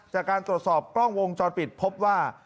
จากการตรวจสอบกล้องวงจรปิดพบว่า